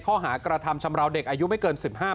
ปรากฏว่าตำรวจยังไม่ให้ข้อมูลใดกับสื่อเลยนะครับ